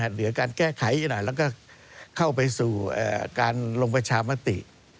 เหลือการแก้ไขอีกหน่อยแล้วก็เข้าไปสู่การลงประชามติ